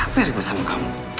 aku capek ribet sama kamu